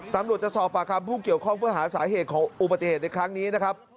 ตำรวจจะสอบปากคำผู้เกี่ยวข้องเพื่อหาสาเหตุของอุบัติเหตุในครั้งนี้นะครับ